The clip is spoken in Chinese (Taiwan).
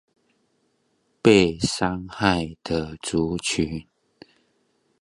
被傷害的族群